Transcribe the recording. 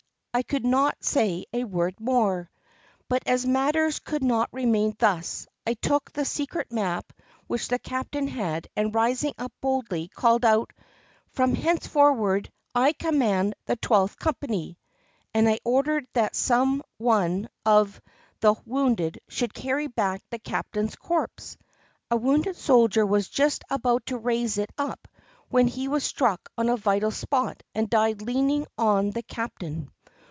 I could not say a word more. But as matters could not remain thus, I took the secret map which the captain had, and, rising up boldly, called out, "From henceforward I command the Twelfth Company." And I ordered that some one of 454 THE ATTACK UPON PORT ARTHUR the wounded should carry back the captain's corpse. A wounded soldier was just about to raise it up when he was struck on a vital spot and died leaning on the cap tain.